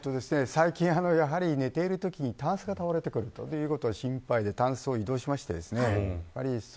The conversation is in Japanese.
最近、寝ているときにタンスが倒れてくるということが心配でダンスを移動しました。